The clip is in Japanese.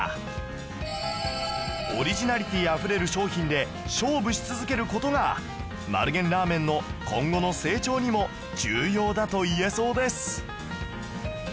オリジナリティーあふれる商品で勝負し続ける事が丸源ラーメンの今後の成長にも重要だといえそうです